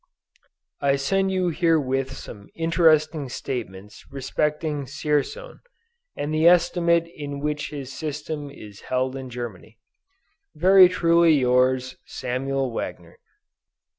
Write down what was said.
I send you herewith some interesting statements respecting Dzierzon, and the estimate in which his system is held in Germany. Very truly yours, SAMUEL WAGNER.